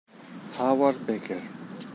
Howard Baker